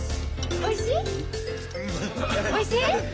おいしい？